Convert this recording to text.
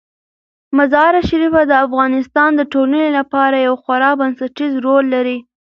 مزارشریف د افغانستان د ټولنې لپاره یو خورا بنسټيز رول لري.